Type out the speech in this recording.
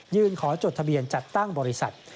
ขอจดทะเบียนจัดตั้งบริษัท